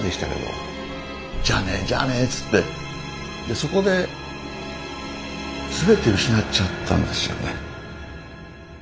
そこですべて失っちゃったんですよね。